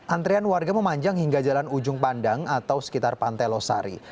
antrean warga memanjang hingga jalan ujung pandang atau sekitar pantai losari